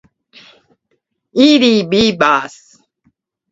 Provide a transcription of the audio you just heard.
Ili vivas.